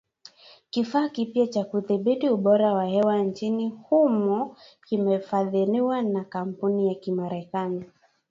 Kifaa kipya cha kudhibiti ubora wa hewa nchini humo kimefadhiliwa na kampuni ya kimarekani